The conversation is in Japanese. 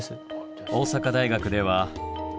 大阪大学では。